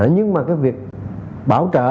nhưng mà cái việc bảo trợ